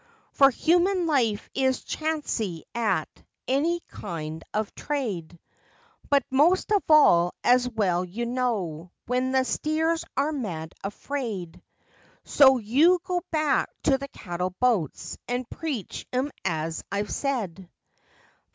"For human life is chancy at any kind of trade, But most of all, as well you know, when the steers are mad afraid; So you go back to the cattle boats an' preach 'em as I've said.